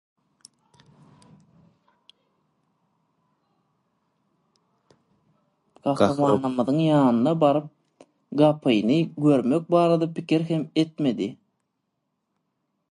Gahrymanymyzyň ýanyna baryp gapyny görmek barada pikir hem etmedi.